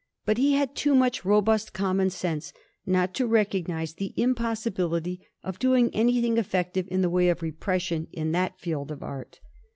But he had too much robust common sense not to recognize the impossibility of doing anything effective in the way of repression in that field of art.